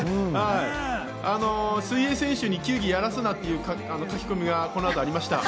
水泳選手に球技やらすなという書き込みがこの後ありました。